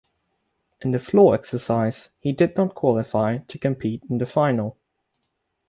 In the floor exercise he did not qualify to compete in the final.